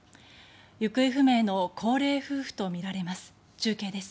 行方不明の高齢夫婦とみられます。